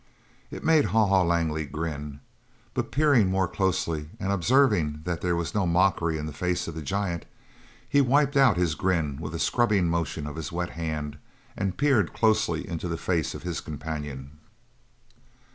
It made Haw Haw Langley grin, but peering more closely and observing that there was no mockery in the face of the giant, he wiped out his grin with a scrubbing motion of his wet hand and peered closely into the face of his companion.